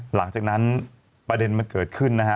หลังจากนั้นประเด็นมันเกิดขึ้นนะฮะ